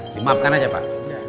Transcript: dimaafkan aja pak